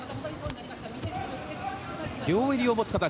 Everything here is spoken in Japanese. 両襟を持つ形。